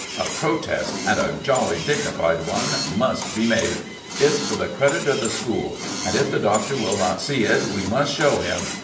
A protest, and a jolly dignified one, must be made. It's for the credit of the school, and if the Doctor will not see it we must show him.